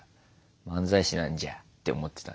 漫才師なんじゃって思ってたね。